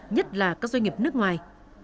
nhất là các doanh nghiệp nước ngoài